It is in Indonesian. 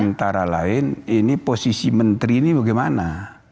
antara lain ini posisi menteri ini bagaimana